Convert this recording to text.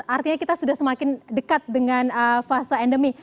artinya kita sudah semakin dekat dengan fase endemi